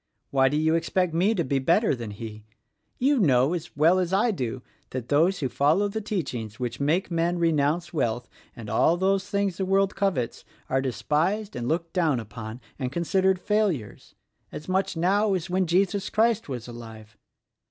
Why do you expect me to be better than He? You know, as well as I do, that those who follow the teachings which make men renounce wealth and all those things the world covets are despised and looked down upon and considered failures, — as much now as when Jesus Christ was alive.